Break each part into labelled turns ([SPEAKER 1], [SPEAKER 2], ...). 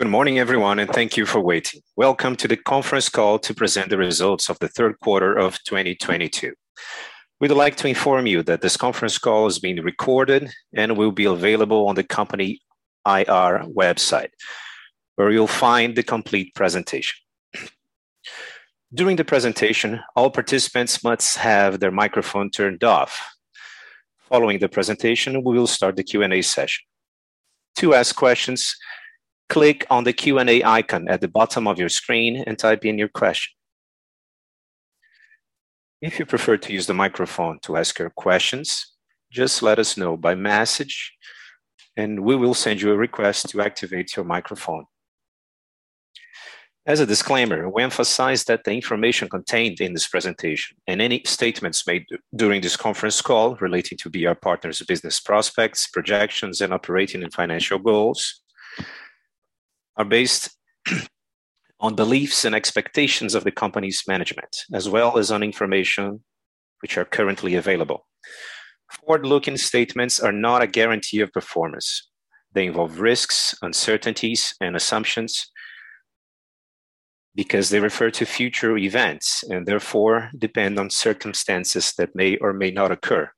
[SPEAKER 1] Good morning everyone, and thank you for waiting. Welcome to the conference call to present the results of the third quarter of 2022. We'd like to inform you that this conference call is being recorded and will be available on the company IR website, where you'll find the complete presentation. During the presentation, all participants must have their microphone turned off. Following the presentation, we will start the Q&A session. To ask questions, click on the Q&A icon at the bottom of your screen and type in your question. If you prefer to use the microphone to ask your questions, just let us know by message and we will send you a request to activate your microphone. As a disclaimer, we emphasize that the information contained in this presentation and any statements made during this conference call relating to BR Partners business prospects, projections, and operating and financial goals are based on beliefs and expectations of the company's management as well as on information which are currently available. Forward-looking statements are not a guarantee of performance. They involve risks, uncertainties, and assumptions because they refer to future events and therefore depend on circumstances that may or may not occur.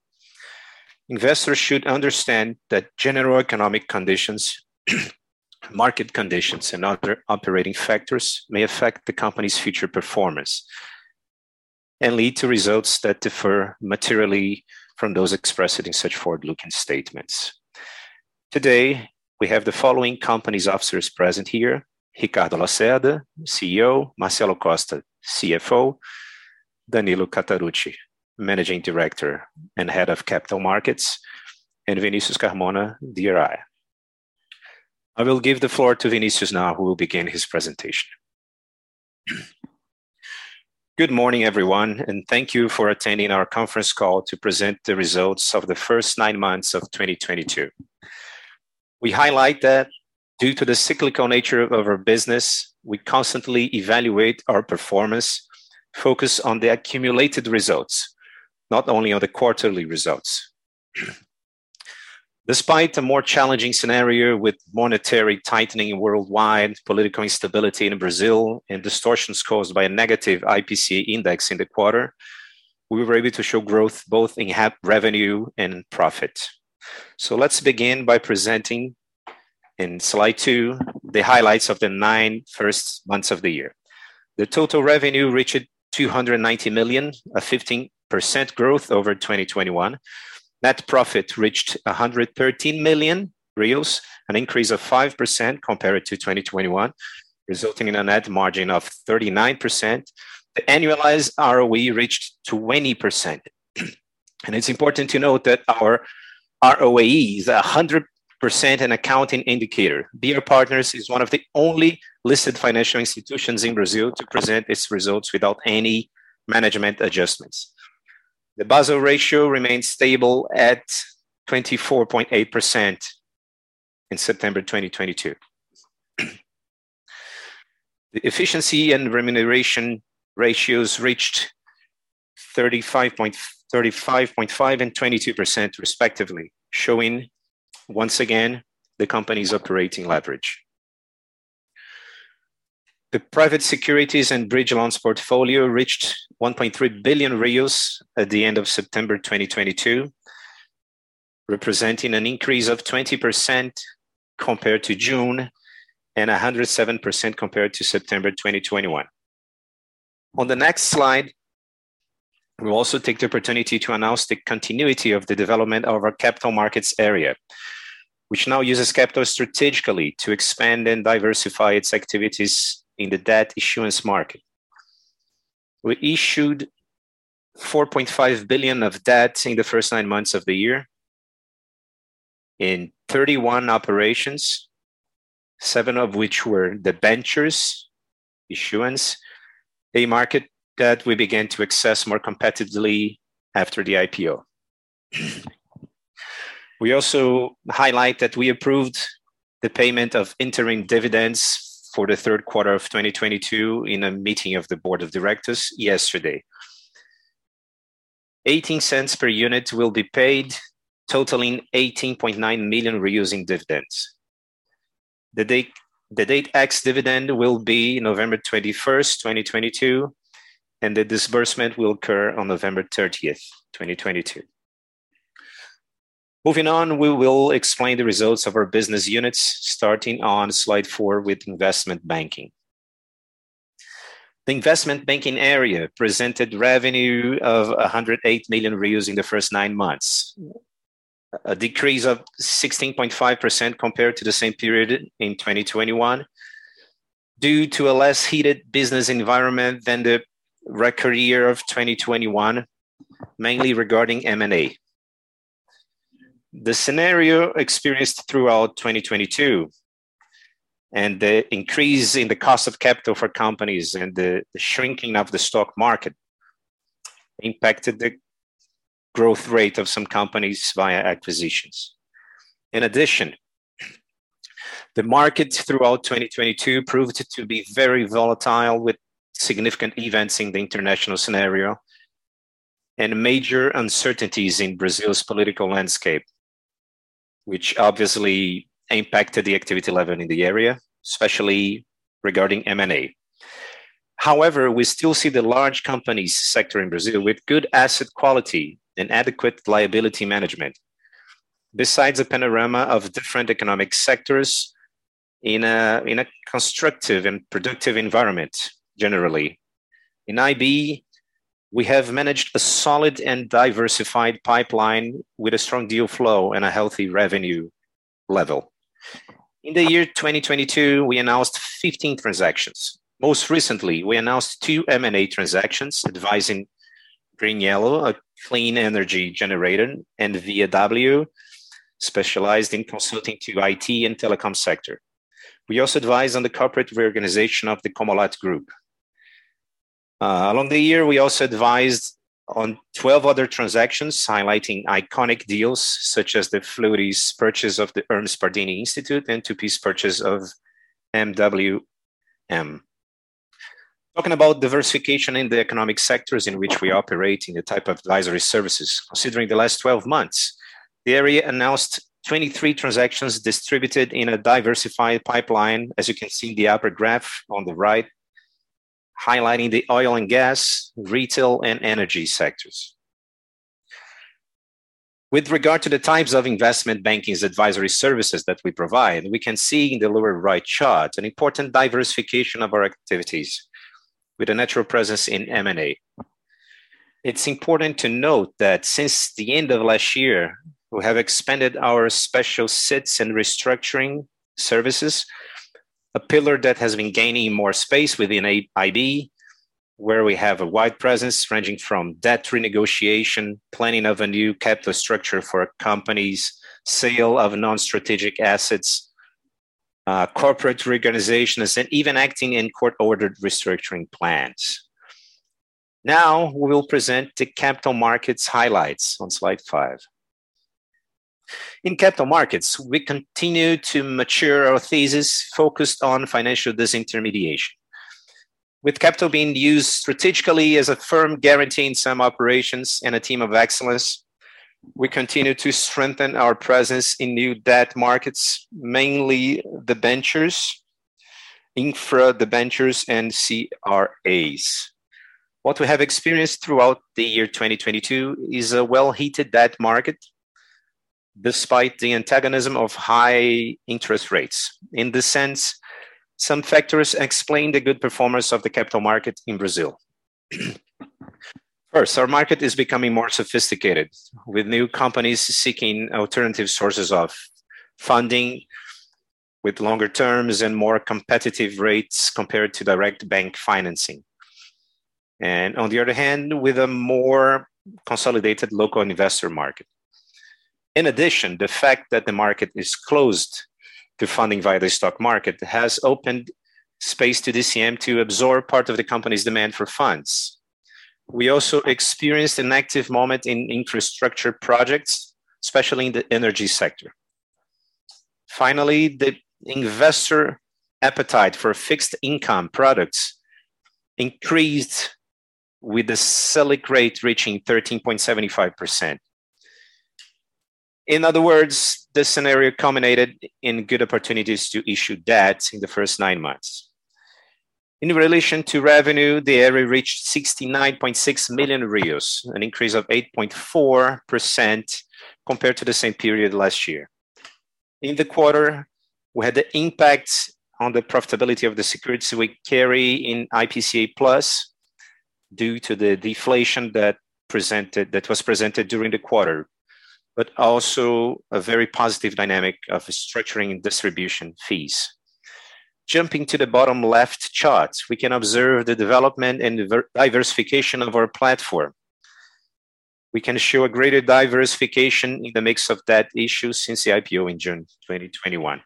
[SPEAKER 1] Investors should understand that general economic conditions, market conditions, and other operating factors may affect the company's future performance and lead to results that differ materially from those expressed in such forward-looking statements. Today, we have the following company's officers present here. Ricardo Lacerda, CEO. Marcelo Costa, CFO. Danilo Catarucci, Managing Director and Head of Capital Markets, and Vinicius Carmona, DRI. I will give the floor to Vinicius now, who will begin his presentation.
[SPEAKER 2] Good morning everyone, and thank you for attending our conference call to present the results of the first nine months of 2022. We highlight that due to the cyclical nature of our business, we constantly evaluate our performance, focus on the accumulated results, not only on the quarterly results. Despite a more challenging scenario with monetary tightening worldwide, political instability in Brazil, and distortions caused by a negative IPCA index in the quarter, we were able to show growth both in revenue and profit. Let's begin by presenting in slide two the highlights of the first nine months of the year. The total revenue reached 290 million, a 15% growth over 2021. Net profit reached 113 million reais, an increase of 5% compared to 2021, resulting in a net margin of 39%. The annualized ROE reached 20%. It's important to note that our ROAE is 100% an accounting indicator. BR Partners is one of the only listed financial institutions in Brazil to present its results without any management adjustments. The Basel ratio remains stable at 24.8% in September 2022. The efficiency and remuneration ratios reached 35.5% and 22% respectively, showing once again the company's operating leverage. The private securities and bridge loans portfolio reached 1.3 billion at the end of September 2022, representing an increase of 20% compared to June and 107% compared to September 2021. On the next slide, we'll also take the opportunity to announce the continuity of the development of our capital markets area, which now uses capital strategically to expand and diversify its activities in the debt issuance market. We issued 4.5 billion of debt in the first nine months of the year in 31 operations, seven of which were debentures issuance, a market that we began to access more competitively after the IPO. We also highlight that we approved the payment of interim dividends for the third quarter of 2022 in a meeting of the board of directors yesterday. BRL 0.18 per unit will be paid, totaling 18.9 million in dividends. The date ex-dividend will be November 21, 2022, and the disbursement will occur on November 30, 2022. Moving on, we will explain the results of our business units starting on slide four with investment banking. The investment banking area presented revenue of 108 million in the first nine months. A decrease of 16.5% compared to the same period in 2021 due to a less heated business environment than the record year of 2021, mainly regarding M&A. The scenario experienced throughout 2022 and the increase in the cost of capital for companies and the shrinking of the stock market impacted the growth rate of some companies via acquisitions. In addition, the market throughout 2022 proved to be very volatile with significant events in the international scenario. And major uncertainties in Brazil's political landscape, which obviously impacted the activity level in the area, especially regarding M&A. However, we still see the large company sector in Brazil with good asset quality and adequate liability management. Besides a panorama of different economic sectors in a constructive and productive environment generally. In IB, we have managed a solid and diversified pipeline with a strong deal flow and a healthy revenue level. In the year 2022, we announced 15 transactions. Most recently, we announced two M&A transactions advising GreenYellow, a clean energy generator, and V.tal, specialized in consulting to IT and telecom sector. We also advise on the corporate reorganization of the Camil Group. Along the year, we also advised on 12 other transactions, highlighting iconic deals such as Fleury's purchase of the Instituto Hermes Pardini and Tupy's purchase of MWM. Talking about diversification in the economic sectors in which we operate and the type of advisory services. Considering the last 12 months, the area announced 23 transactions distributed in a diversified pipeline, as you can see in the upper graph on the right, highlighting the oil and gas, retail, and energy sectors. With regard to the types of investment banking's advisory services that we provide, we can see in the lower right chart an important diversification of our activities with a natural presence in M&A. It's important to note that since the end of last year, we have expanded our special situations and restructuring services, a pillar that has been gaining more space within advisory IB, where we have a wide presence ranging from debt renegotiation, planning of a new capital structure for companies, sale of non-strategic assets, corporate reorganizations, and even acting in court-ordered restructuring plans. Now we will present the capital markets highlights on slide five. In capital markets, we continue to mature our thesis focused on financial disintermediation. With capital being used strategically as a firm guaranteeing some operations and a team of excellence, we continue to strengthen our presence in new debt markets, mainly debentures, infra debentures, and CRAs. What we have experienced throughout the year 2022 is a well-heated debt market despite the antagonism of high interest rates. In this sense, some factors explain the good performance of the capital market in Brazil. First, our market is becoming more sophisticated, with new companies seeking alternative sources of funding with longer terms and more competitive rates compared to direct bank financing. On the other hand, with a more consolidated local investor market. In addition, the fact that the market is closed to funding via the stock market has opened space to DCM to absorb part of the company's demand for funds. We also experienced an active moment in infrastructure projects, especially in the energy sector. Finally, the investor appetite for fixed income products increased with the Selic rate reaching 13.75%. In other words, this scenario culminated in good opportunities to issue debt in the first nine months. In relation to revenue, the area reached 69.6 million, an increase of 8.4% compared to the same period last year. In the quarter, we had the impact on the profitability of the securities we carry in IPCA+ due to the deflation that was presented during the quarter, but also a very positive dynamic of structuring and distribution fees. Jumping to the bottom left chart, we can observe the development and diversification of our platform. We can show a greater diversification in the mix of debt issues since the IPO in June 2021.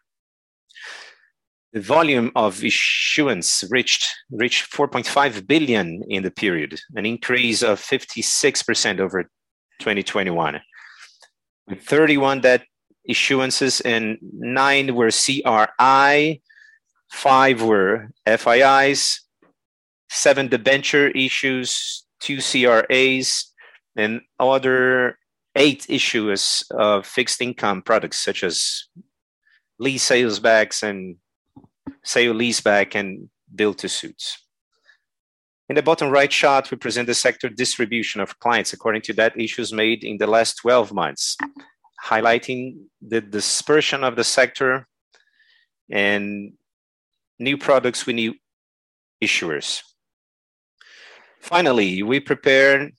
[SPEAKER 2] The volume of issuance reached 4.5 billion in the period, an increase of 56% over 2021. 31 debt issuances and nine were CRI, five were FIIs, seven debenture issues, two CRAs, and other eight issuers of fixed income products such as sale-leasebacks and built-to-suits. In the bottom right chart, we present the sector distribution of clients according to debt issues made in the last 12 months, highlighting the dispersion of the sector and new products with new issuers. Finally, we are prepared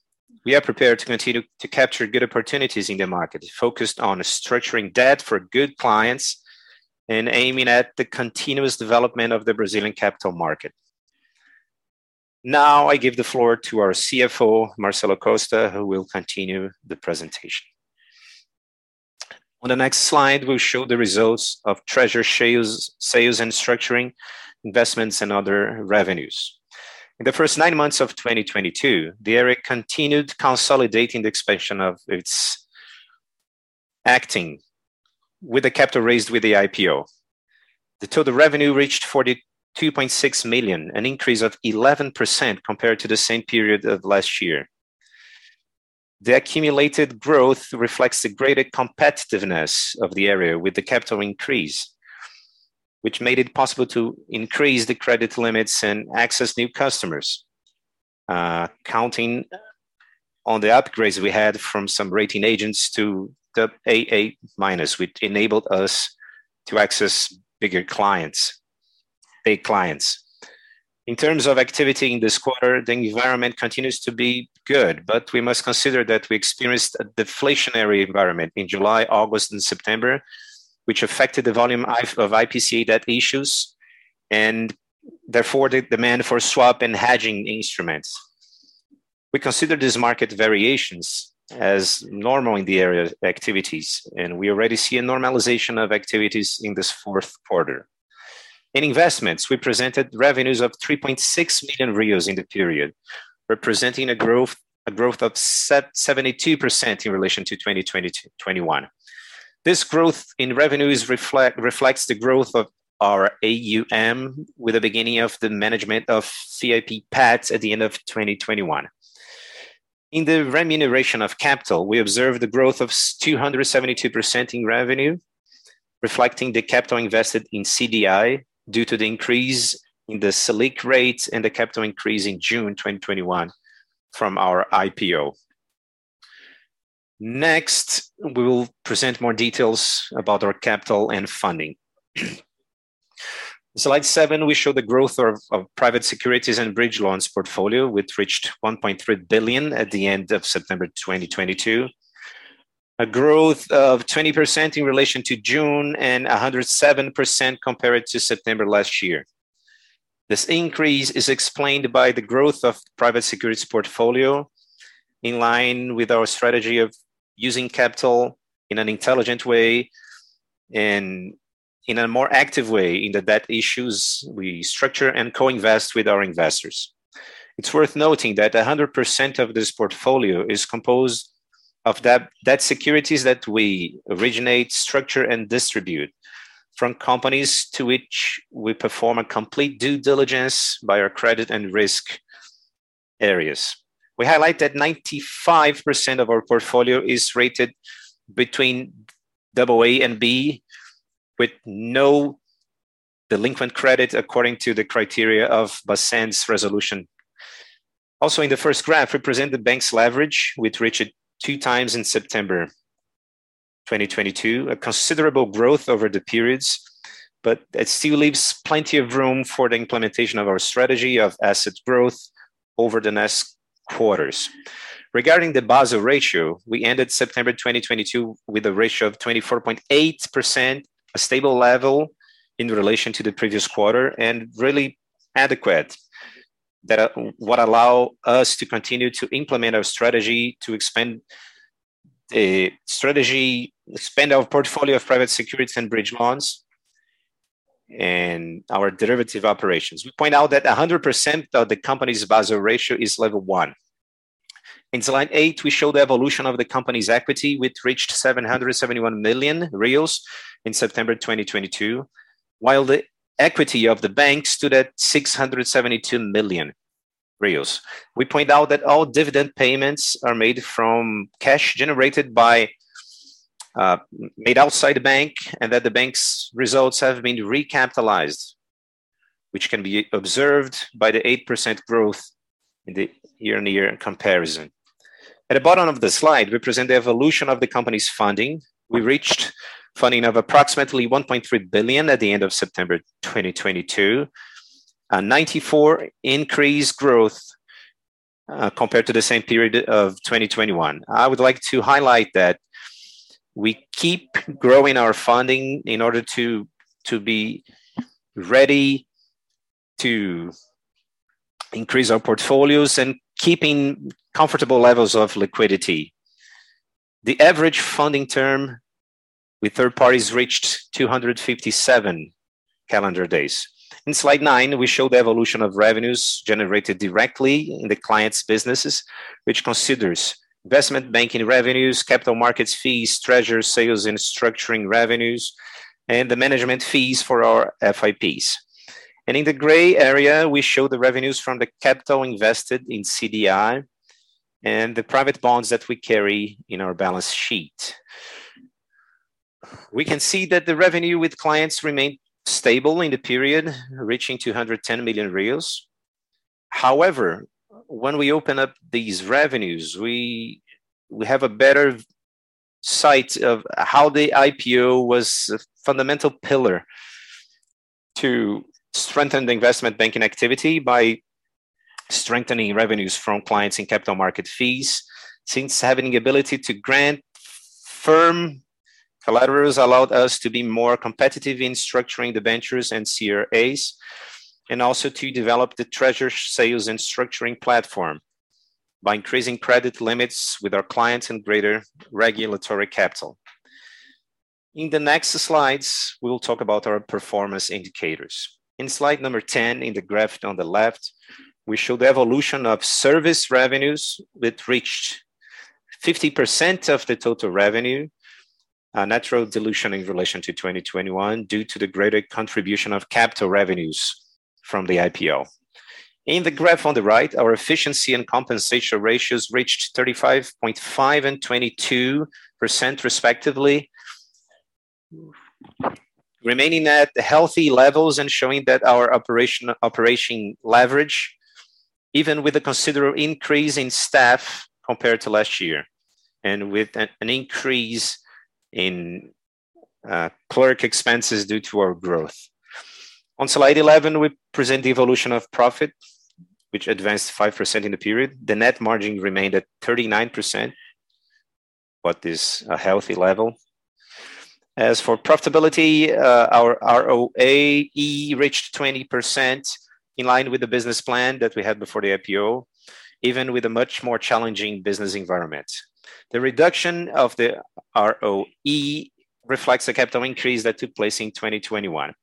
[SPEAKER 2] to continue to capture good opportunities in the market, focused on structuring debt for good clients and aiming at the continuous development of the Brazilian capital market. Now I give the floor to our CFO, Marcelo Costa, who will continue the presentation.
[SPEAKER 3] On the next slide, we'll show the results of treasury shares, sales and structuring, investments and other revenues. In the first nine months of 2022, the area continued consolidating the expansion of its activities with the capital raised with the IPO. The total revenue reached 42.6 million, an increase of 11% compared to the same period of last year. The accumulated growth reflects the greater competitiveness of the area with the capital increase, which made it possible to increase the credit limits and access new customers. Counting on the upgrades we had from some rating agencies to the AA-, which enabled us to access bigger clients, big clients. In terms of activity in this quarter, the environment continues to be good, but we must consider that we experienced a deflationary environment in July, August, and September, which affected the volume of IPCA debt issues and therefore the demand for swap and hedging instruments. We consider these market variations as normal in the area activities, and we already see a normalization of activities in this fourth quarter. In investments, we presented revenues of 3.6 million in the period, representing a growth of 72% in relation to 2021. This growth in revenues reflects the growth of our AUM with the beginning of the management of FIP PATS at the end of 2021. In the remuneration of capital, we observed the growth of 272% in revenue, reflecting the capital invested in CDI due to the increase in the Selic rates and the capital increase in June 2021 from our IPO. Next, we will present more details about our capital and funding. Slide seven, we show the growth of private securities and bridge loans portfolio, which reached 1.3 billion at the end of September 2022. A growth of 20% in relation to June and 107% compared to September last year. This increase is explained by the growth of private securities portfolio in line with our strategy of using capital in an intelligent way and in a more active way in the debt issues we structure and co-invest with our investors. It's worth noting that 100% of this portfolio is composed of debt securities that we originate, structure, and distribute from companies to which we perform a complete due diligence by our credit and risk areas. We highlight that 95% of our portfolio is rated between AA and B, with no delinquent credit according to the criteria of BACEN's resolution. Also, in the first graph, we present the bank's leverage, which reached 2x in September 2022, a considerable growth over the periods, but it still leaves plenty of room for the implementation of our strategy of asset growth over the next quarters. Regarding the Basel ratio, we ended September 2022 with a ratio of 24.8%, a stable level in relation to the previous quarter and really adequate that would allow us to continue to implement our strategy to expand our portfolio of private securities and bridge loans and our derivative operations. We point out that 100% of the company's Basel ratio is level one. In slide eight, we show the evolution of the company's equity, which reached 771 million reais in September 2022, while the equity of the bank stood at 672 million reais. We point out that all dividend payments are made from cash generated by made outside the bank, and that the bank's results have been recapitalized, which can be observed by the 8% growth in the year-on-year comparison. At the bottom of the slide, we present the evolution of the company's funding. We reached funding of approximately 1.3 billion at the end of September 2022. A 94% increase growth, compared to the same period of 2021. I would like to highlight that we keep growing our funding in order to be ready to increase our portfolios and keeping comfortable levels of liquidity. The average funding term with third parties reached 257 calendar days. In slide nine, we show the evolution of revenues generated directly in the clients' businesses, which considers investment banking revenues, capital markets fees, treasure sales and structuring revenues, and the management fees for our FIPs. In the gray area, we show the revenues from the capital invested in CDI and the private bonds that we carry in our balance sheet. We can see that the revenue with clients remained stable in the period, reaching 210 million. However, when we open up these revenues, we have a better insight of how the IPO was a fundamental pillar to strengthen the investment banking activity by strengthening revenues from clients in capital market fees. Since having the ability to grant firm collaterals allowed us to be more competitive in structuring the ventures and CRAs, and also to develop the treasury sales and structuring platform by increasing credit limits with our clients and greater regulatory capital. In the next slides, we will talk about our performance indicators. In slide number 10, in the graph on the left, we show the evolution of service revenues, which reached 50% of the total revenue, a natural dilution in relation to 2021 due to the greater contribution of capital revenues from the IPO. In the graph on the right, our efficiency and compensation ratios reached 35.5% and 22% respectively, remaining at healthy levels and showing that our operation leverage even with a considerable increase in staff compared to last year and with an increase in clerk expenses due to our growth. On slide 11, we present the evolution of profit, which advanced 5% in the period. The net margin remained at 39%, which is a healthy level. As for profitability, our ROAE reached 20% in line with the business plan that we had before the IPO, even with a much more challenging business environment. The reduction of the ROE reflects the capital increase that took place in 2021.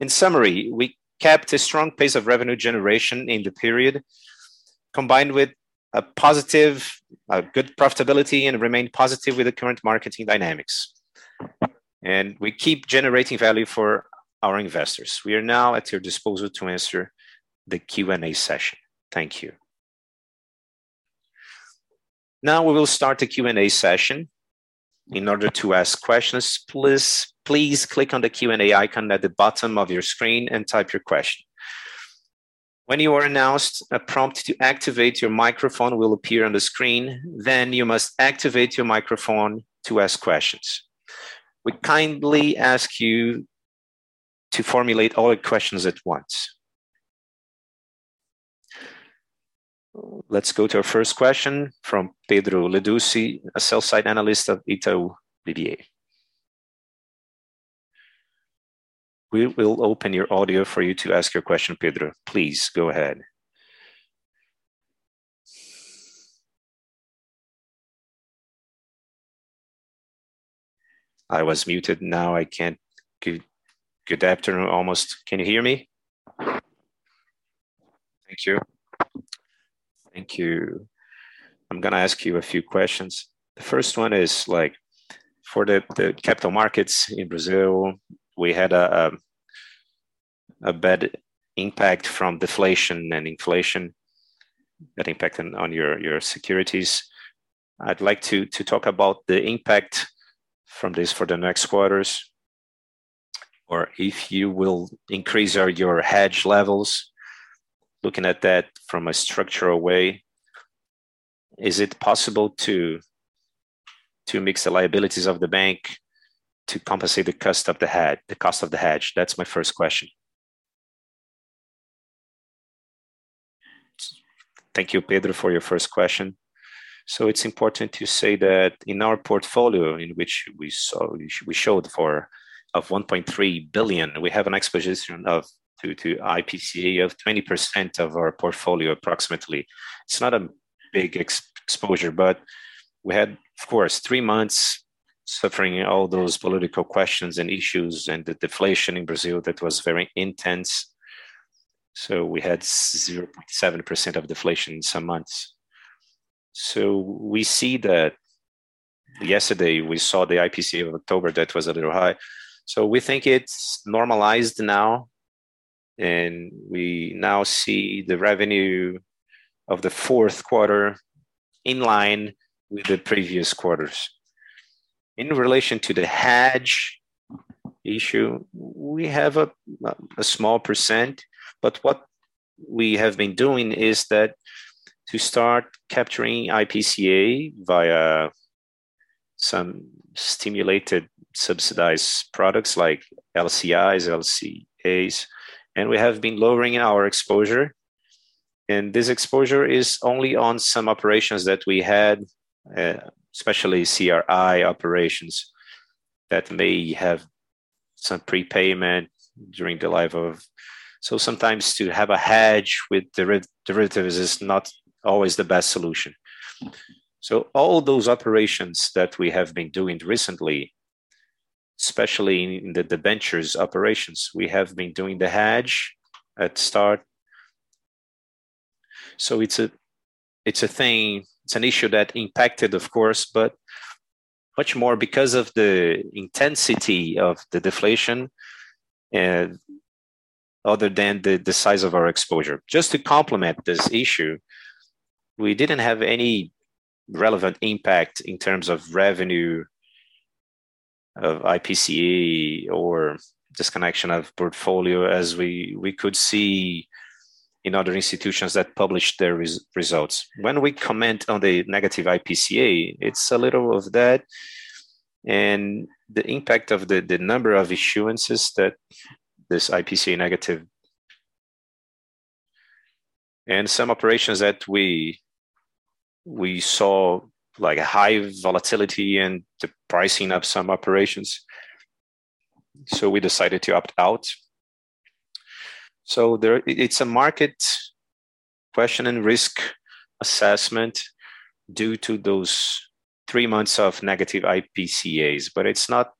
[SPEAKER 3] In summary, we kept a strong pace of revenue generation in the period combined with a positive, a good profitability, and remained positive with the current marketing dynamics. We keep generating value for our investors. We are now at your disposal to answer the Q&A session. Thank you.
[SPEAKER 1] Now we will start the Q&A session. In order to ask questions, please click on the Q&A icon at the bottom of your screen and type your question. When you are announced, a prompt to activate your microphone will appear on the screen, then you must activate your microphone to ask questions. We kindly ask you to formulate all the questions at once. Let's go to our first question from Pedro Leduc, a sell-side analyst at Itaú BBA. We will open your audio for you to ask your question, Pedro. Please go ahead.
[SPEAKER 4] I was muted. Good afternoon, almost. Can you hear me? Thank you. I'm gonna ask you a few questions. The first one is, like, for the capital markets in Brazil, we had a bad impact from deflation and inflation that impacted on your securities. I'd like to talk about the impact from this for the next quarters, or if you will increase your hedge levels. Looking at that from a structural way, is it possible to mix the liabilities of the bank to compensate the cost of the hedge? That's my first question.
[SPEAKER 5] Thank you, Pedro, for your first question. It's important to say that in our portfolio in which we showed for of 1.3 billion, we have an exposure to IPCA of 20% of our portfolio approximately. It's not a big exposure, but we had, of course, three months suffering all those political questions and issues and the deflation in Brazil that was very intense. We had 0.7% of deflation in some months. We see that yesterday we saw the IPCA of October that was a little high. We think it's normalized now, and we now see the revenue of the fourth quarter in line with the previous quarters. In relation to the hedge issue, we have a small percent, but what we have been doing is that to start capturing IPCA via some stimulated subsidized products like LCIs, LCAs, and we have been lowering our exposure. This exposure is only on some operations that we had, especially CRI operations that may have some prepayment during the life of. Sometimes to have a hedge with derivatives is not always the best solution. All those operations that we have been doing recently, especially in the debentures operations, we have been doing the hedge at start. It's a thing. It's an issue that impacted, of course, but much more because of the intensity of the deflation, other than the size of our exposure. Just to complement this issue, we didn't have any relevant impact in terms of revenue or IPCA or disconnection of portfolio as we could see in other institutions that published their results. When we comment on the negative IPCA, it's a little of that and the impact of the number of issuances that this IPCA negative. Some operations that we saw like a high volatility and the pricing of some operations, so we decided to opt out. So it's a market question and risk assessment due to those three months of negative IPCAs. But it's not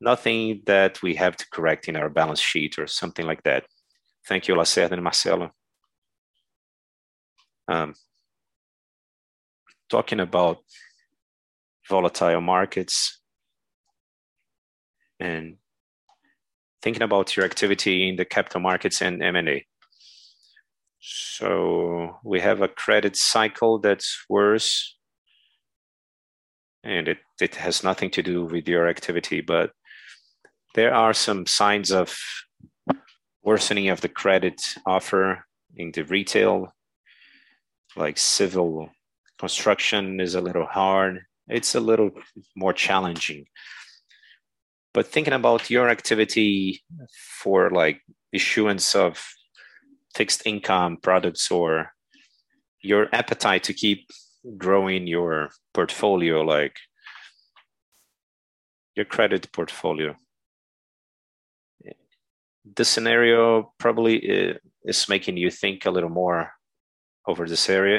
[SPEAKER 5] nothing that we have to correct in our balance sheet or something like that.
[SPEAKER 4] Thank you, Lacerda and Marcelo.
[SPEAKER 5] Talking about volatile markets and thinking about your activity in the capital markets and M&A. We have a credit cycle that's worse, and it has nothing to do with your activity. There are some signs of worsening of the credit offer into retail, like civil construction is a little hard. It's a little more challenging. Thinking about your activity for, like, issuance of fixed income products or your appetite to keep growing your portfolio, like, your credit portfolio. The scenario probably is making you think a little more over this area.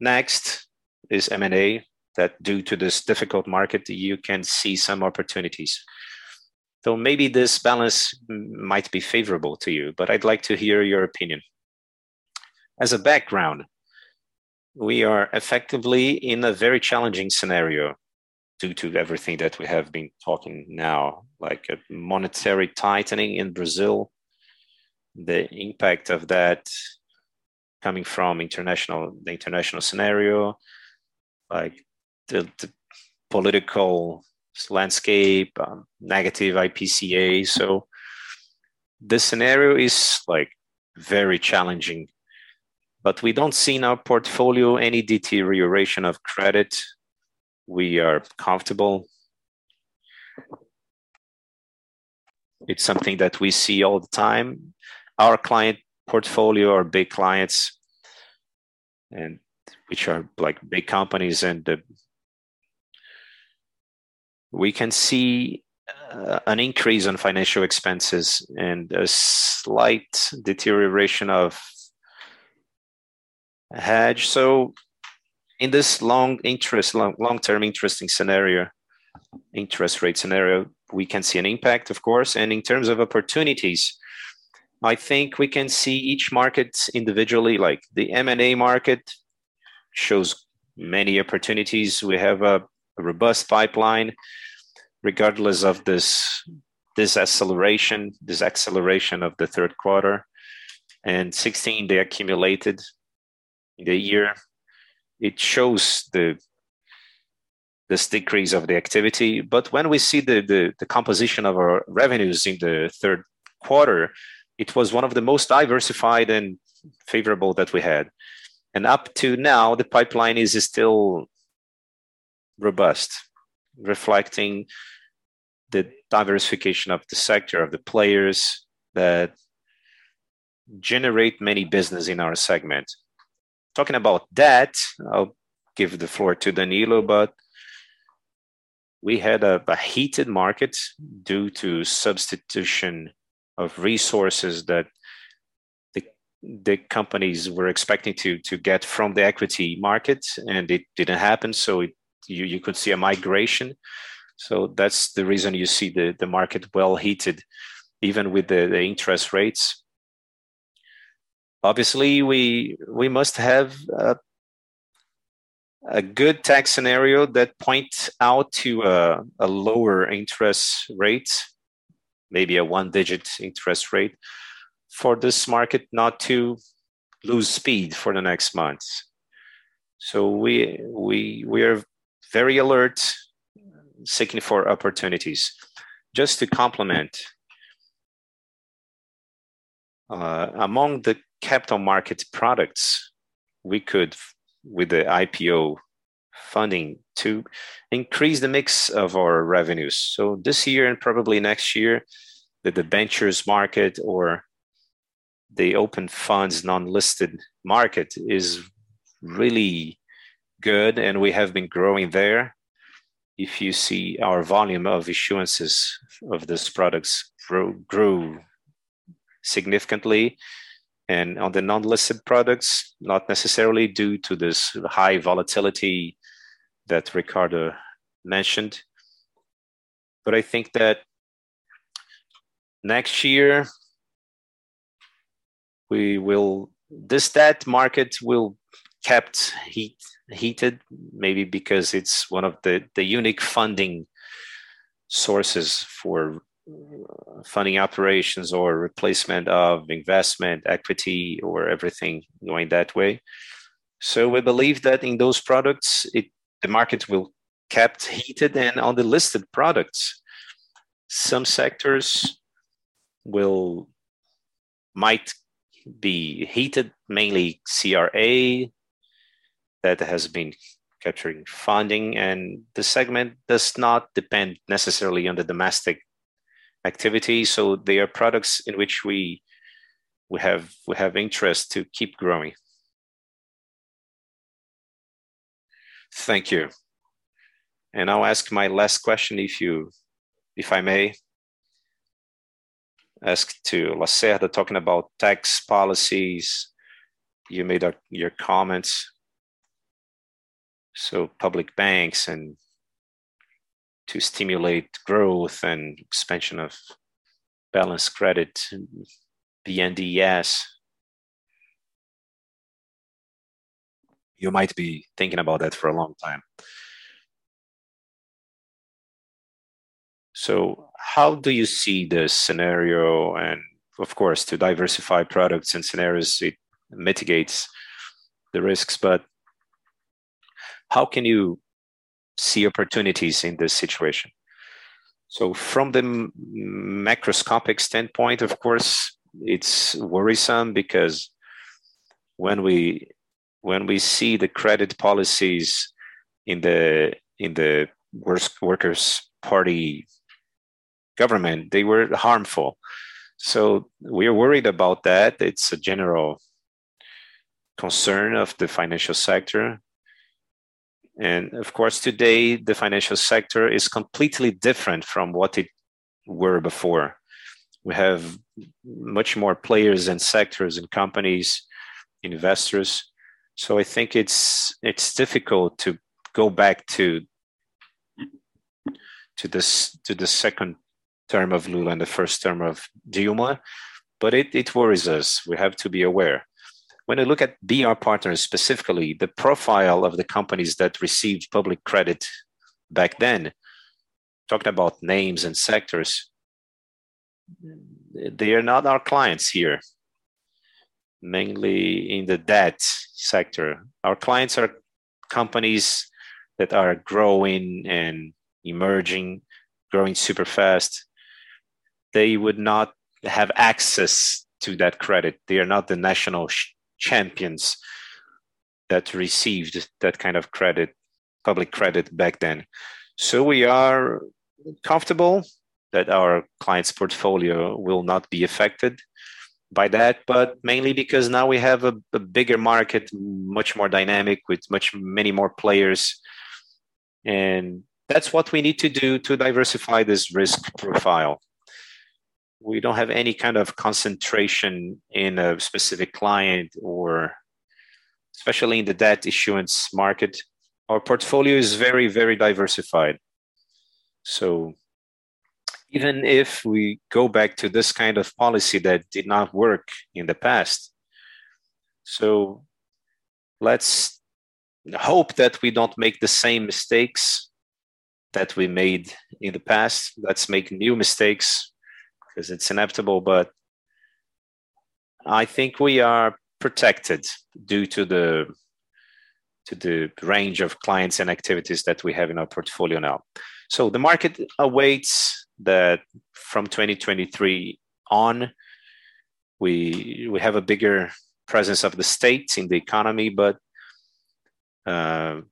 [SPEAKER 5] Next is M&A that due to this difficult market, you can see some opportunities. Maybe this balance might be favorable to you, but I'd like to hear your opinion. As a background, we are effectively in a very challenging scenario due to everything that we have been talking now, like a monetary tightening in Brazil, the impact of that coming from the international scenario, like the political landscape, negative IPCA. The scenario is, like, very challenging, but we don't see in our portfolio any deterioration of credit. We are comfortable. It's something that we see all the time. Our client portfolio, our big clients and which are, like, big companies and, we can see an increase in financial expenses and a slight deterioration of hedge. In this long-term interest rate scenario, we can see an impact, of course. In terms of opportunities, I think we can see each market individually, like the M&A market shows many opportunities. We have a robust pipeline regardless of this acceleration of the third quarter. Since then, the accumulated year. It shows this decrease of the activity. When we see the composition of our revenues in the third quarter, it was one of the most diversified and favorable that we had. Up to now, the pipeline is still robust, reflecting the diversification of the sector, of the players that generate many businesses in our segment. Talking about that, I'll give the floor to Danilo. We had a heated market due to substitution of resources that the companies were expecting to get from the equity market, and it didn't happen. You could see a migration. That's the reason you see the market well-heated, even with the interest rates. Obviously, we must have a good tax scenario that points out to a lower interest rate, maybe a one-digit interest rate for this market not to lose speed for the next months. We’re very alert, seeking for opportunities. Just to complement, among the capital market products, we could with the IPO funding to increase the mix of our revenues. This year and probably next year, the debentures market or the open funds non-listed market is really good, and we have been growing there. If you see our volume of issuances of these products grew significantly and on the non-listed products, not necessarily due to this high volatility that Ricardo mentioned. I think that next year, that market will keep heated maybe because it's one of the unique funding sources for funding operations or replacement of investment equity or everything going that way. We believe that in those products, the market will keep heated. On the listed products, some sectors might be heated, mainly CRA that has been capturing funding, and the segment does not depend necessarily on the domestic activity. They are products in which we have interest to keep growing.
[SPEAKER 4] Thank you. I'll ask my last question if I may. Ricardo Lacerda talking about tax policies. You've made your comments. Public banks and to stimulate growth and expansion of balanced credit and BNDES.
[SPEAKER 5] You might be thinking about that for a long time. How do you see the scenario and of course, to diversify products and scenarios, it mitigates the risks, but how can you see opportunities in this situation? From the macroscopic standpoint, of course, it's worrisome because when we see the credit policies in the Workers' Party government, they were harmful. We are worried about that. It's a general concern of the financial sector. Of course, today, the financial sector is completely different from what it were before. We have much more players and sectors and companies, investors. I think it's difficult to go back to the second term of Lula and the first term of Dilma, but it worries us. We have to be aware. When I look at BR Partners specifically, the profile of the companies that received public credit back then, talked about names and sectors, they are not our clients here, mainly in the debt sector. Our clients are companies that are growing and emerging, growing super fast. They would not have access to that credit. They are not the national champions that received that kind of credit, public credit back then. We are comfortable that our client's portfolio will not be affected by that, but mainly because now we have a bigger market, much more dynamic with many more players. That's what we need to do to diversify this risk profile. We don't have any kind of concentration in a specific client or especially in the debt issuance market. Our portfolio is very, very diversified. Even if we go back to this kind of policy that did not work in the past, let's hope that we don't make the same mistakes that we made in the past. Let's make new mistakes because it's inevitable. I think we are protected due to the range of clients and activities that we have in our portfolio now. The market awaits that from 2023 on, we have a bigger presence of the states in the economy, but the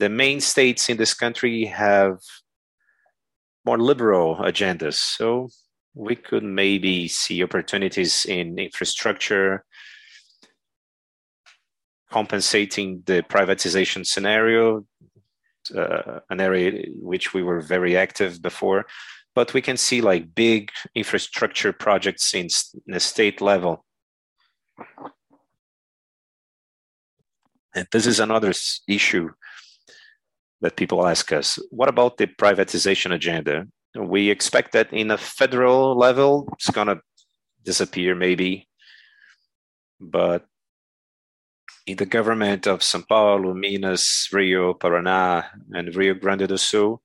[SPEAKER 5] main states in this country have more liberal agendas. We could maybe see opportunities in infrastructure compensating the privatization scenario, an area which we were very active before. We can see like big infrastructure projects in the state level. This is another issue that people ask us. What about the privatization agenda? We expect that in a federal level, it's gonna disappear maybe. In the government of São Paulo, Minas, Rio, Paraná, and Rio Grande do Sul,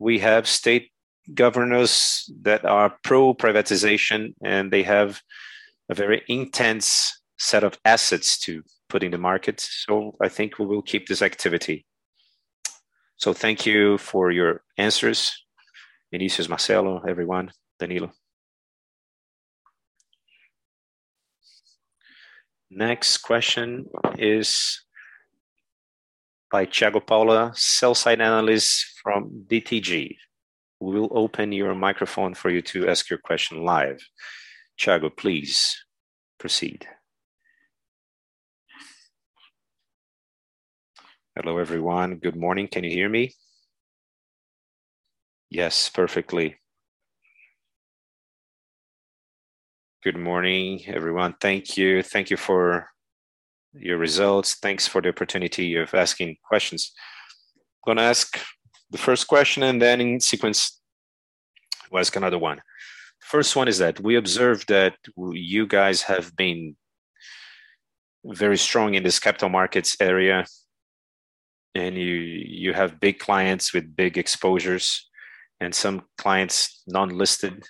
[SPEAKER 5] we have state governors that are pro-privatization, and they have a very intense set of assets to put in the market. I think we will keep this activity.
[SPEAKER 1] Thank you for your answers, Vinicius, Marcelo, everyone, Danilo Catarucci. Next question is by Thiago Paura, sell-side analyst from BTG Pactual. We will open your microphone for you to ask your question live. Thiago, please proceed.
[SPEAKER 6] Hello, everyone. Good morning. Can you hear me? Yes, perfectly. Good morning, everyone. Thank you. Thank you for your results. Thanks for the opportunity of asking questions. Gonna ask the first question and then in sequence we'll ask another one. First one is that we observed that you guys have been very strong in this capital markets area, and you have big clients with big exposures and some clients non-listed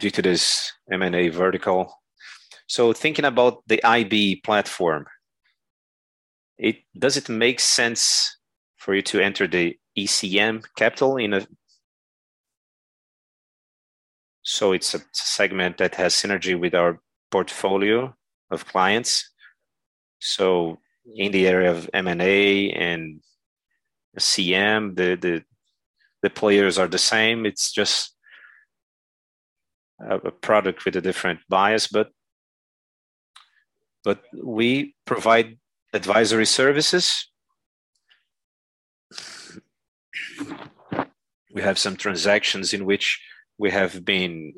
[SPEAKER 6] due to this M&A vertical. Thinking about the IB platform, does it make sense for you to enter the ECM capital? It's a segment that has synergy with our portfolio of clients. In the area of M&A and CM, the players are the same. It's just a product with a different bias, but we provide advisory services. We have some transactions in which we have been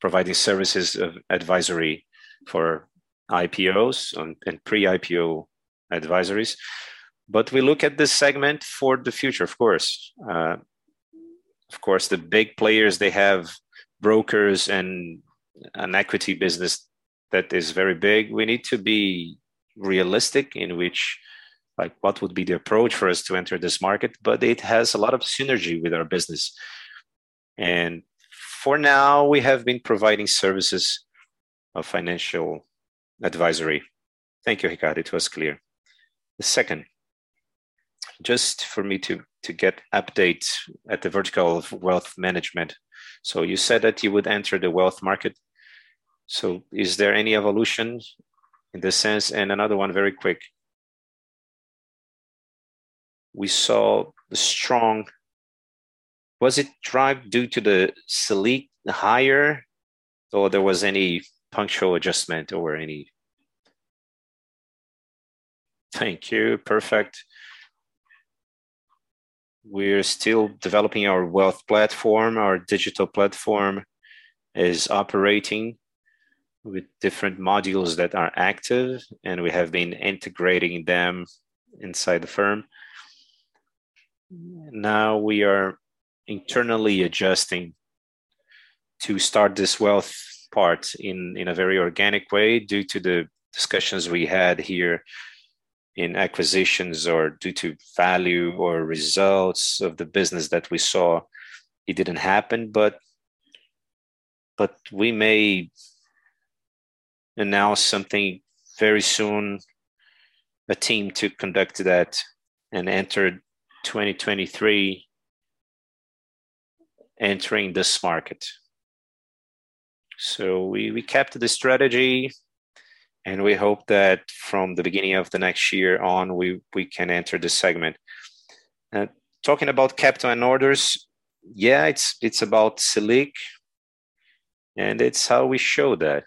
[SPEAKER 6] providing advisory services for IPOs and pre-IPO advisories. We look at this segment for the future, of course. Of course, the big players, they have brokers and an equity business that is very big. We need to be realistic in which like what would be the approach for us to enter this market, but it has a lot of synergy with our business.
[SPEAKER 5] For now, we have been providing services of financial advisory.
[SPEAKER 6] Thank you, Ricardo. It was clear. The second, just for me to get updates at the vertical of wealth management. You said that you would enter the wealth market. Is there any evolution in this sense? Another one very quick. Was it driven due to the Selic higher, or there was any punctual adjustment or any? Thank you. Perfect. We're still developing our wealth platform. Our digital platform is operating with different modules that are active, and we have been integrating them inside the firm.
[SPEAKER 5] Now we are internally adjusting to start this wealth part in a very organic way due to the discussions we had here in acquisitions or due to value or results of the business that we saw. It didn't happen, but we may announce something very soon. A team to conduct that and enter 2023 entering this market. We kept the strategy, and we hope that from the beginning of the next year on, we can enter this segment. Talking about capital and orders, yeah, it's about Selic, and it's how we show that.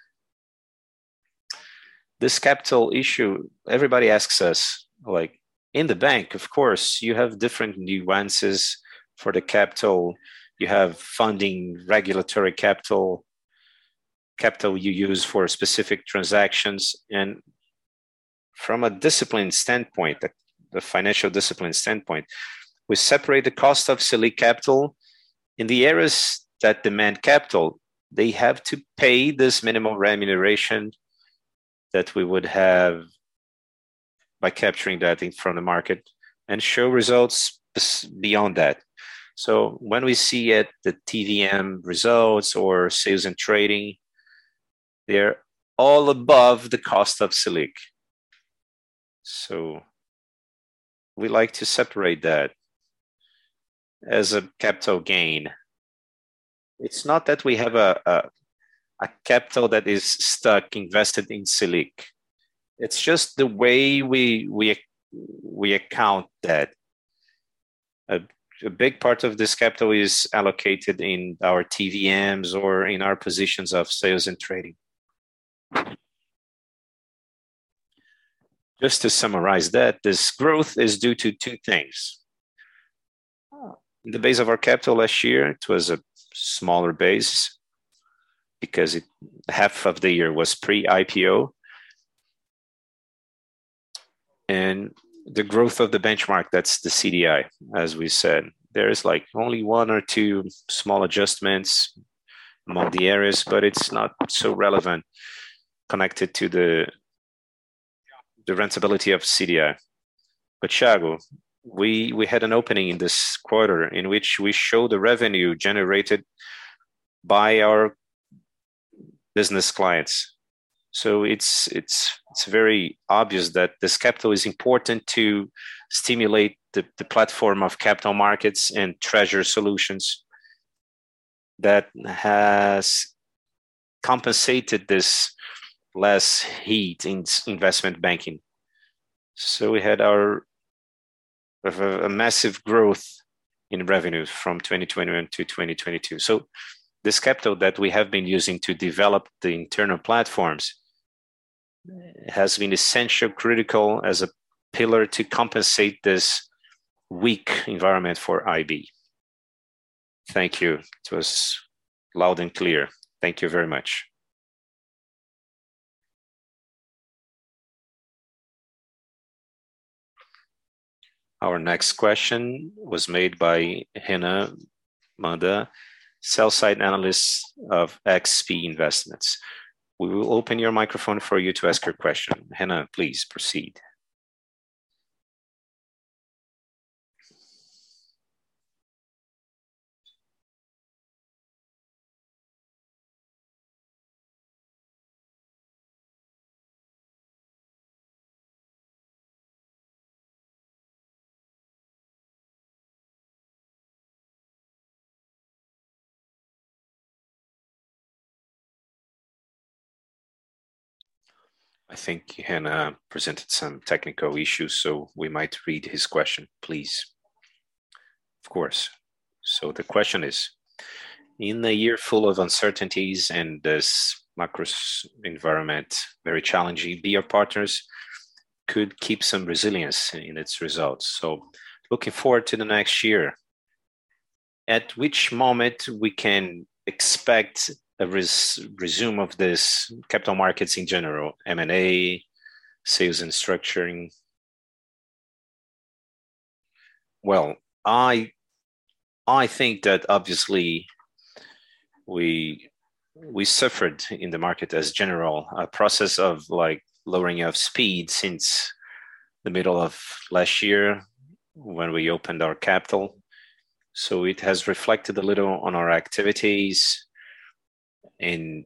[SPEAKER 5] This capital issue, everybody asks us, like in the bank, of course, you have different nuances for the capital. You have funding regulatory capital you use for specific transactions. From a discipline standpoint, the financial discipline standpoint, we separate the cost of Selic capital. In the areas that demand capital, they have to pay this minimum remuneration that we would have by capturing that in from the market and show results beyond that. When we see it, the TVM results or sales and trading, they're all above the cost of Selic. We like to separate that as a capital gain. It's not that we have a capital that is stuck invested in Selic. It's just the way we account that. A big part of this capital is allocated in our TVMs or in our positions of sales and trading. Just to summarize that, this growth is due to two things. The base of our capital last year, it was a smaller base because half of the year was pre-IPO. The growth of the benchmark, that's the CDI, as we said. There is like only one or two small adjustments among the areas, but it's not so relevant connected to the rentability of CDI. Thiago, we had an opening in this quarter in which we show the revenue generated by our business clients. It's very obvious that this capital is important to stimulate the platform of capital markets and treasury solutions that has compensated this less heat in investment banking. We had a massive growth in revenue from 2021 to 2022. This capital that we have been using to develop the internal platforms has been essential, critical as a pillar to compensate this weak environment for IB. Thank you. It was loud and clear. Thank you very much.
[SPEAKER 1] Our next question was made by Hanna Mangel, Sell-side Analyst, XP Investimentos.
[SPEAKER 5] We will open your microphone for you to ask your question. Hanna, please proceed. I think Hanna presented some technical issues, so we might read her question, please. Of course. The question is, in a year full of uncertainties and this macro environment very challenging, BR Partners could keep some resilience in its results. Looking forward to the next year. At which moment we can expect a resume of this capital markets in general, M&A, sales and structuring? I think that obviously we suffered in the market in general a process of like lowering of speed since the middle of last year when we opened our capital. It has reflected a little on our activities in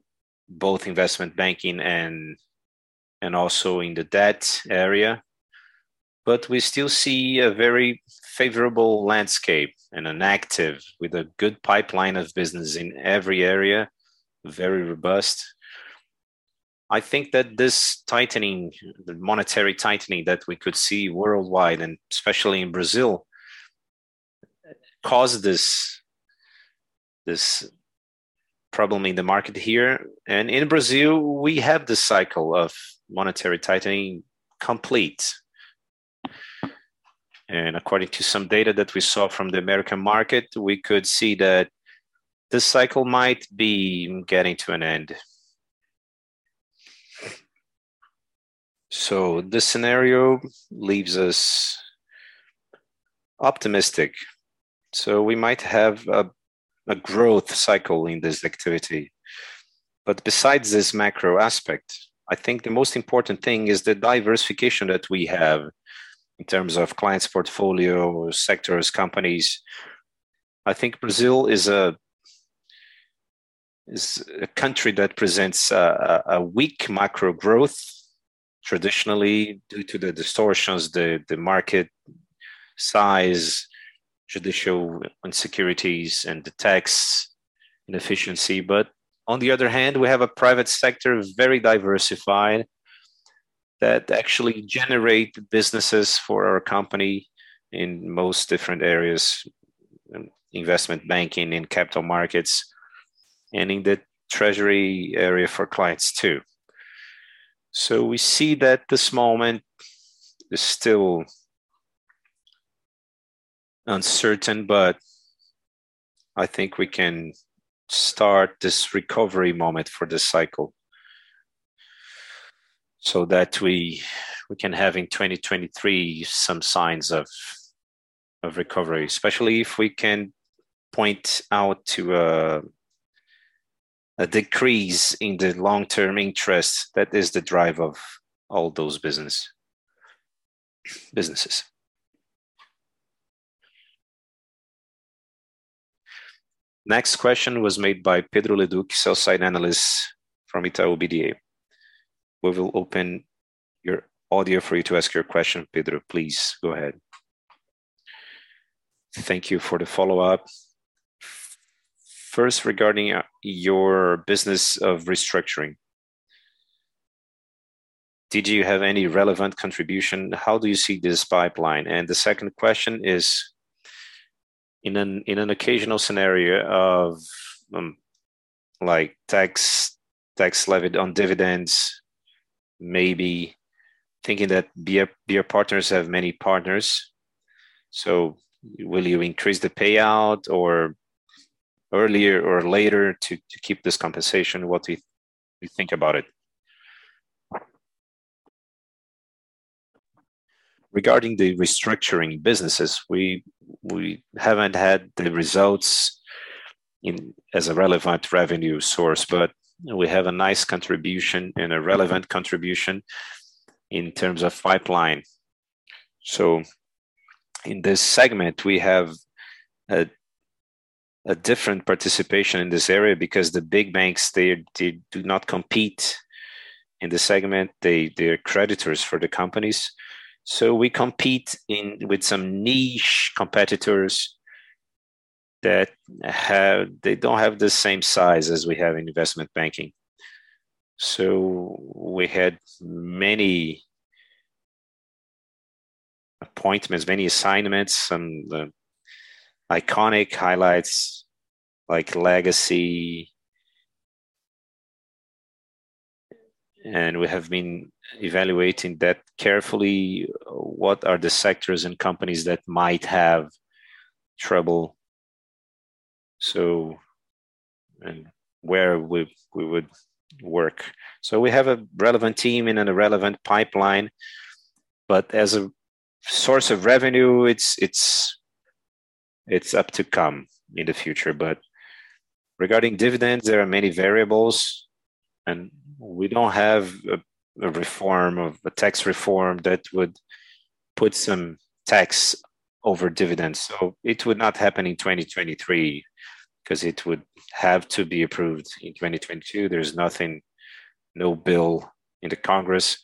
[SPEAKER 5] both investment banking and also in the debt area. We still see a very favorable landscape and an active with a good pipeline of business in every area, very robust. I think that this tightening, the monetary tightening that we could see worldwide and especially in Brazil caused this problem in the market here. In Brazil, we have this cycle of monetary tightening complete. According to some data that we saw from the American market, we could see that this cycle might be getting to an end. This scenario leaves us optimistic. We might have a growth cycle in this activity. Besides this macro aspect, I think the most important thing is the diversification that we have in terms of clients portfolio, sectors, companies. I think Brazil is a country that presents a weak macro growth traditionally due to the distortions, the market size, judicial insecurities and the tax inefficiency. On the other hand, we have a private sector very diversified that actually generate businesses for our company in most different areas, in investment banking, in capital markets, and in the treasury area for clients too. We see that this moment is still uncertain, but I think we can start this recovery moment for this cycle so that we can have in 2023 some signs of recovery, especially if we can point out to a decrease in the long-term interest that is the drive of all those businesses. Next question was made by Pedro Leduc, Sell-side Analyst from Itaú BBA. We will open your audio for you to ask your question, Pedro. Please go ahead.
[SPEAKER 4] Thank you for the follow-up. First, regarding your business of restructuring, did you have any relevant contribution? How do you see this pipeline? The second question is, in an occasional scenario of, like tax levied on dividends, maybe thinking that BR Partners have many partners. So will you increase the payout or earlier or later to keep this compensation? What do you think about it?
[SPEAKER 5] Regarding the restructuring businesses, we haven't had the results as a relevant revenue source, but we have a nice contribution and a relevant contribution in terms of pipeline. In this segment, we have a different participation in this area because the big banks, they do not compete in the segment. They're creditors for the companies. We compete with some niche competitors that don't have the same size as we have in investment banking. We had many appointments, many assignments, some iconic highlights like Legacy. We have been evaluating that carefully, what are the sectors and companies that might have trouble, and where we would work. We have a relevant team and a relevant pipeline. As a source of revenue, it's up to come in the future. Regarding dividends, there are many variables, and we don't have a tax reform that would put some tax over dividends. It would not happen in 2023 because it would have to be approved in 2022. There's nothing, no bill in the Congress.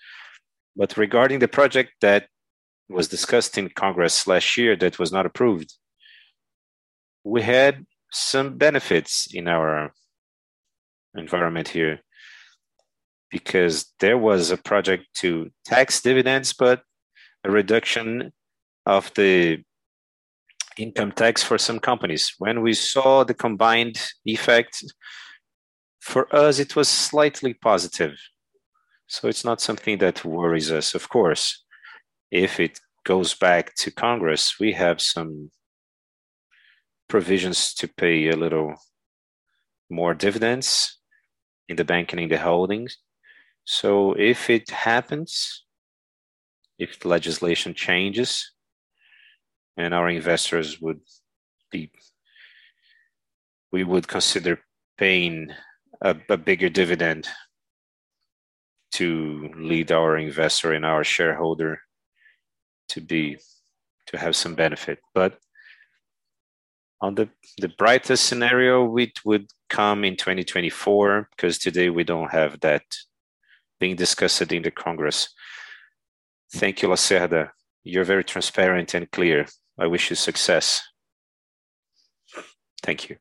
[SPEAKER 5] Regarding the project that was discussed in Congress last year that was not approved. We had some benefits in our environment here because there was a project to tax dividends, but a reduction of the income tax for some companies. When we saw the combined effect, for us, it was slightly positive. It's not something that worries us. Of course, if it goes back to Congress, we have some provisions to pay a little more dividends in the bank and in the holdings. If it happens, if legislation changes, we would consider paying a bigger dividend to let our investor and our shareholder have some benefit. On the brightest scenario, it would come in 2024, because today we don't have that being discussed in the Congress.
[SPEAKER 4] Thank you, Lacerda. You're very transparent and clear. I wish you success.
[SPEAKER 5] Thank you.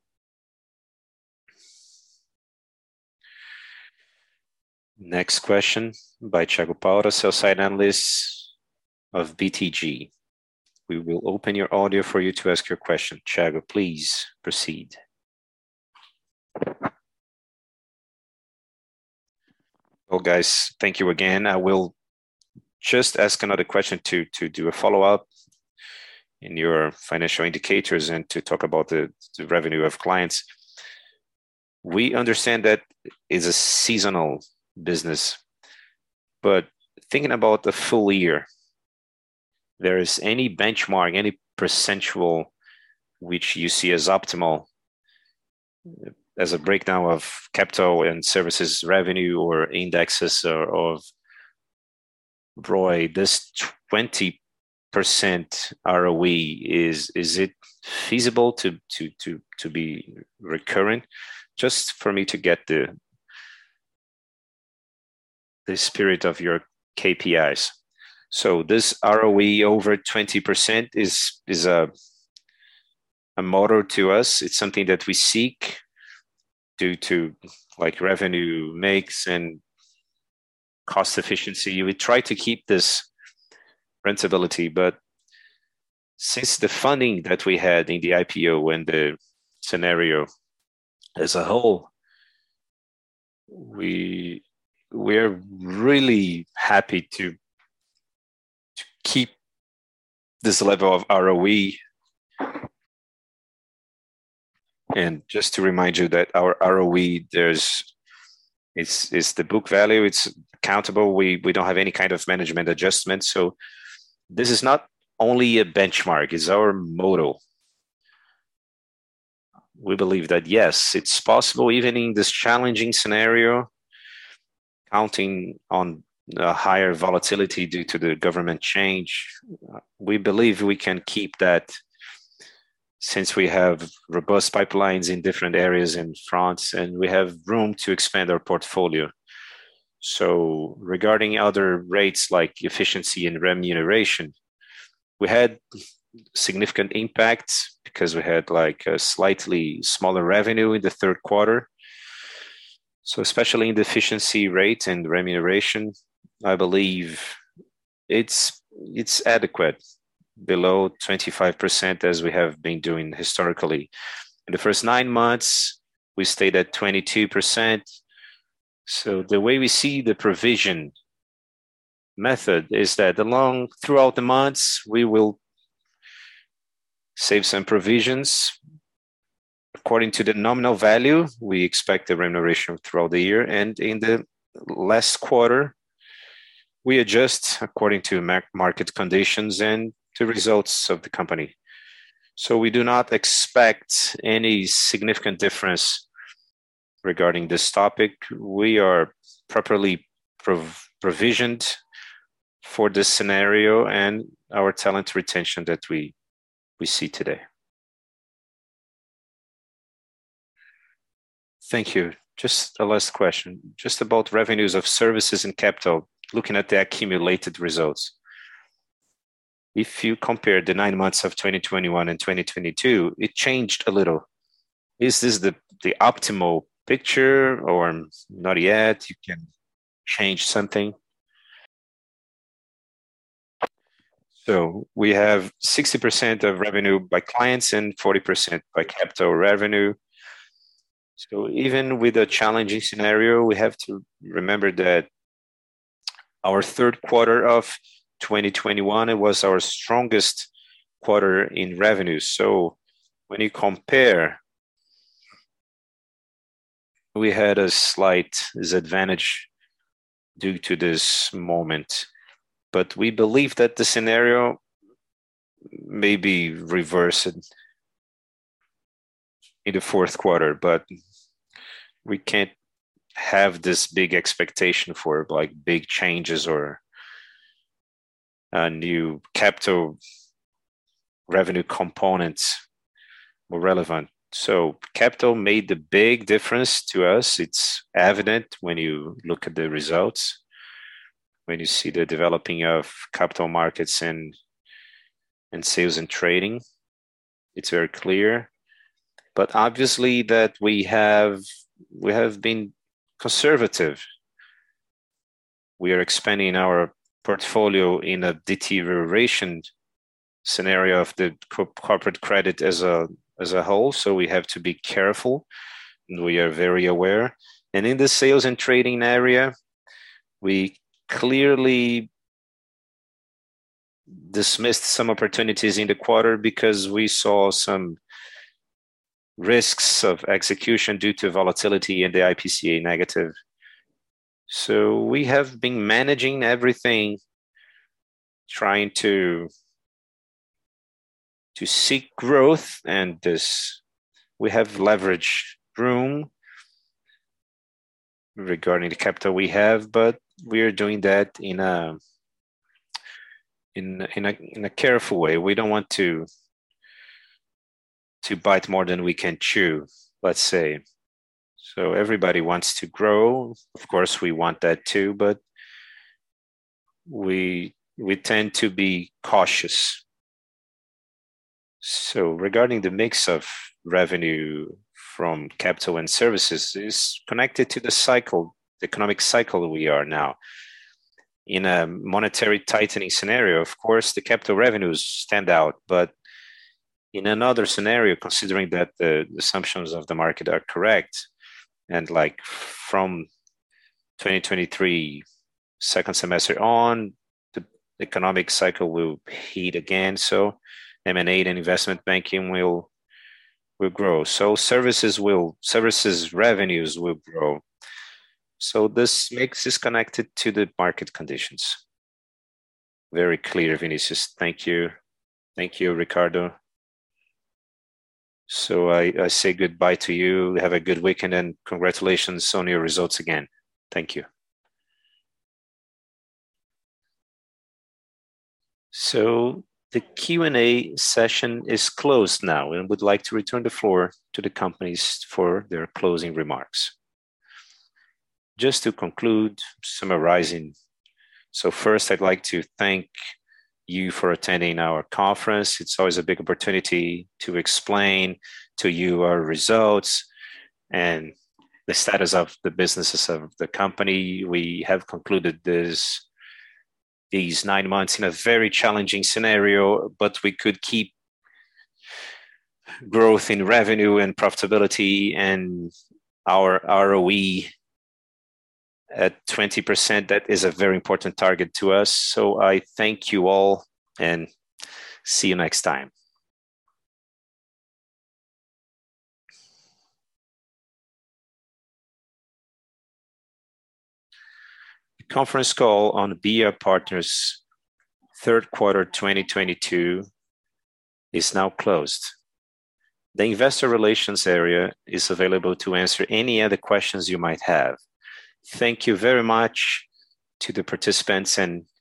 [SPEAKER 1] Next question by Thiago Paura, Sell-side Analyst of BTG. We will open your audio for you to ask your question. Thiago, please proceed.
[SPEAKER 6] Well, guys, thank you again. I will just ask another question to do a follow-up in your financial indicators and to talk about the revenue of clients. We understand that it's a seasonal business, but thinking about the full year, is there any benchmark, any percentage which you see as optimal as a breakdown of capital and services revenue or indices or of ROE, this 20% ROE, is it feasible to be recurring?
[SPEAKER 5] Just for me to get the spirit of your KPIs. This ROE over 20% is a motto to us. It's something that we seek due to like revenue mix and cost efficiency. We try to keep this profitability. Since the funding that we had in the IPO and the scenario as a whole, we're really happy to keep this level of ROE. Just to remind you that our ROE, it's the book value, it's accountable. We don't have any kind of management adjustment. This is not only a benchmark, it's our motto. We believe that yes, it's possible even in this challenging scenario, counting on a higher volatility due to the government change. We believe we can keep that since we have robust pipelines in different areas in fronts, and we have room to expand our portfolio. Regarding other rates like efficiency and remuneration, we had significant impacts because we had like a slightly smaller revenue in the third quarter. Especially in the efficiency rate and remuneration, I believe it's adequate, below 25% as we have been doing historically. In the first nine months, we stayed at 22%. The way we see the provision method is that along throughout the months, we will save some provisions according to the nominal value we expect the remuneration throughout the year. In the last quarter, we adjust according to market conditions and the results of the company. We do not expect any significant difference regarding this topic. We are properly provisioned for this scenario and our talent retention that we see today.
[SPEAKER 6] Thank you. Just a last question, just about revenues of services and capital, looking at the accumulated results. If you compare the nine months of 2021 and 2022, it changed a little. Is this the optimal picture or not yet? You can change something?
[SPEAKER 5] We have 60% of revenue by clients and 40% by capital revenue. Even with a challenging scenario, we have to remember that our third quarter of 2021, it was our strongest quarter in revenue. When you compare, we had a slight disadvantage due to this moment, but we believe that the scenario may be reversed in the fourth quarter. We can't have this big expectation for like big changes or a new capital revenue component relevant. Capital made the big difference to us. It's evident when you look at the results. When you see the development of capital markets and sales and trading, it's very clear. Obviously, we have been conservative. We are expanding our portfolio in a deterioration scenario of the corporate credit as a whole, so we have to be careful, and we are very aware. In the sales and trading area, we clearly dismissed some opportunities in the quarter because we saw some risks of execution due to volatility in the IPCA negative. We have been managing everything, trying to seek growth. This, we have leverage room regarding the capital we have, but we are doing that in a careful way. We don't want to bite more than we can chew, let's say. Everybody wants to grow. Of course, we want that too, but we tend to be cautious. Regarding the mix of revenue from capital and services, it's connected to the cycle, the economic cycle we are now. In a monetary tightening scenario, of course, the capital revenues stand out. In another scenario, considering that the assumptions of the market are correct, and like from 2023 second semester on, the economic cycle will heat again, so M&A and investment banking will grow. Services revenues will grow. This mix is connected to the market conditions.
[SPEAKER 6] Very clear, Vinicius. Thank you. Thank you, Ricardo. I say goodbye to you. Have a good weekend, and congratulations on your results again. Thank you.
[SPEAKER 1] The Q&A session is closed now, and we'd like to return the floor to the companies for their closing remarks.
[SPEAKER 2] Just to conclude, summarizing. First, I'd like to thank you for attending our conference. It's always a big opportunity to explain to you our results and the status of the businesses of the company. We have concluded these nine months in a very challenging scenario, but we could keep growth in revenue and profitability and our ROE at 20%. That is a very important target to us. I thank you all, and see you next time.
[SPEAKER 1] The conference call on BR Partners third quarter 2022 is now closed. The investor relations area is available to answer any other questions you might have. Thank you very much to the participants, and have a